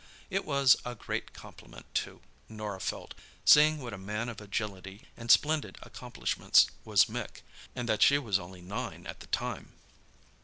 It was a great compliment, too, Norah felt, seeing what a man of agility and splendid accomplishments was Mick—and that she was only nine at the time.